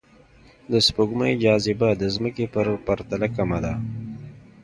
د سپوږمۍ جاذبه د ځمکې په پرتله کمه ده